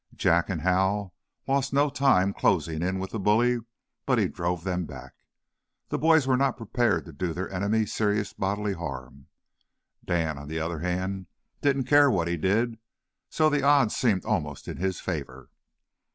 Jack and Hal lost no time closing in with the bully, but he drove them back. The boys were not prepared to do their enemy serious bodily harm; Dan, on the other hand, didn't care what he did, so the odds seemed almost in his favor.